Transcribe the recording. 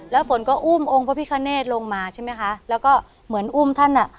แล้วฝนก็อุ้มองค์พระพิคเนธลงมาใช่ไหมคะแล้วก็เหมือนอุ้มท่านอ่ะ